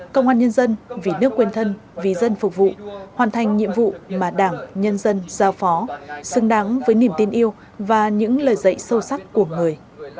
công an nhân dân vì nước quên thân vì dân phục vụ hoàn thành nhiệm vụ mà đảng nhân dân giao phó xứng đáng với niềm tin yêu và những lời dạy sâu sắc của người